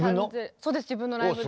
そうです自分のライブで。